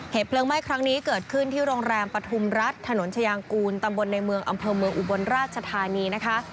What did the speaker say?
เพลิงไหม้ครั้งนี้เกิดขึ้นที่โรงแรมปฐุมรัฐถนนชายางกูลตำบลในเมืองอำเภอเมืองอุบลราชธานีนะคะ